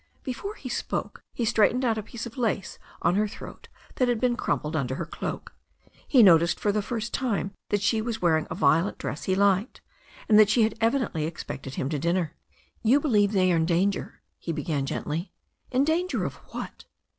Before he spoke he straightened out a piece of lace on her throat that had been crumpled under her cloak. He noticed for the first time that she was wearing a violet dress he liked, and that she had evidently expected him to dinner. "You believe they are in danger," he began gently, "in danger of what?"